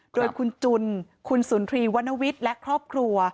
โดยคุณจุนคุณสุนทรีวรรณวิทย์และครอบครัว